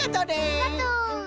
ありがとう！